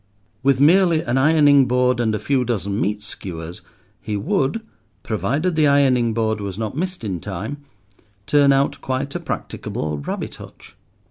With merely an ironing board and a few dozen meat skewers, he would—provided the ironing board was not missed in time—turn out quite a practicable rabbit hutch.